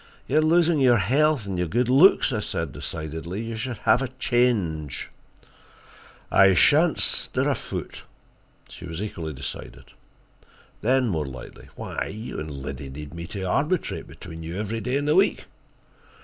"You are losing your health and your good looks," I said decidedly. "You should have a change." "I shan't stir a foot." She was equally decided. Then, more lightly: "Why, you and Liddy need me to arbitrate between you every day in the week."